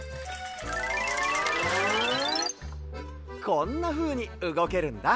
こんなふうにうごけるんだ。